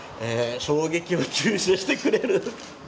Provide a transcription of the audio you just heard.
衝撃を吸収してくれる。